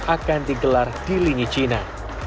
akan digelar di lini china